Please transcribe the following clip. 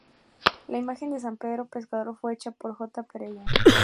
La imagen de San Pedro Pescador fue hecha por J. Perelló.